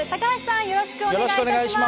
よろしくお願いします。